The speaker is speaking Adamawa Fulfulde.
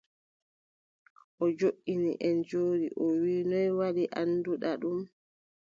O joɗɗini, en njooɗi, o wii : noy waɗi annduɗa ɗum ?